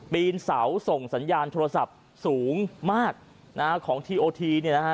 ปีนเสาส่งสัญญาณโทรศัพท์สูงมากของทีโอที